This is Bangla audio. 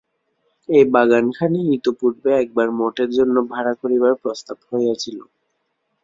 এই বাগানখানিই ইতঃপূর্বে একবার মঠের জন্য ভাড়া করিবার প্রস্তাব হইয়াছিল।